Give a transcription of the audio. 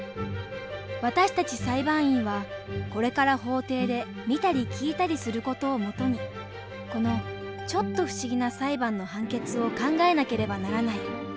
私たち裁判員はこれから法廷で見たり聞いたりする事を基にこのちょっと不思議な裁判の判決を考えなければならない。